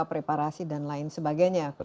preparasi dan lain sebagainya